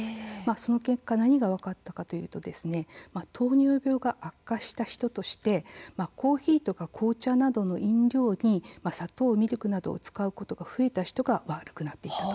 その結果、何が多かったかというと、糖尿病が悪化した人として、コーヒー紅茶などの飲料に砂糖、ミルクなどを使うことが増えた人が悪くなっていった。